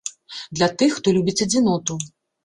Для тых, хто любіць адзіноту.